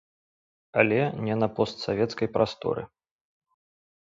Але не на постсавецкай прасторы.